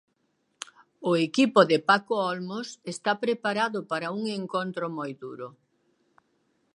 O equipo de Paco Olmos está preparado para un encontro moi duro.